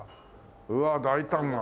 うわあ大胆な。